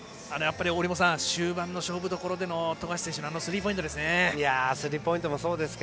折茂さん、終盤の勝負どころでの富樫選手のスリーポイントですね。